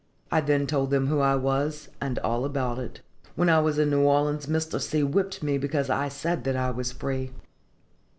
I then told them who I was and all about it. "When I was in New Orleans Mr. C. whipped me because I said that I was free."